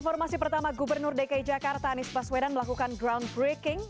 informasi pertama gubernur dki jakarta anies baswedan melakukan groundbreaking